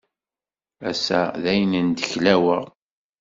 Ass-a dayen ndeklaweɣ.